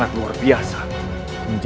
aku akan menang